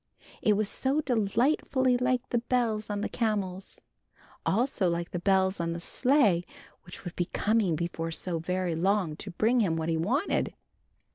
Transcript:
It was so delightfully like the bells on the camels, also like the bells on the sleigh which would be coming before so very long to bring him what he wanted.